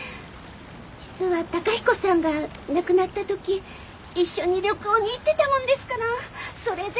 実は崇彦さんが亡くなった時一緒に旅行に行ってたもんですからそれで。